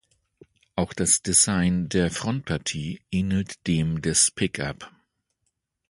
Auch das Design der Frontpartie ähnelt dem des Pickup.